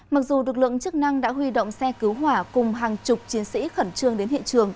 mặc dù lực lượng chức năng đã huy động xe cứu hỏa cùng hàng chục chiến sĩ khẩn trương đến hiện trường